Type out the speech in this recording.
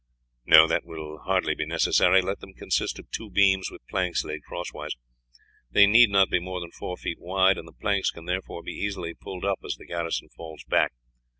"No; that will hardly be necessary. Let them consist of two beams with planks laid crosswise. They need not be more than four feet wide, and the planks can therefore be easily pulled up as the garrison falls back.